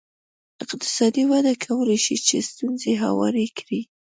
اقتصادي وده کولای شي چې ستونزې هوارې کړي.